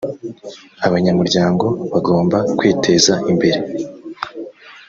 abanyamuryango bagomba kwiteza imbere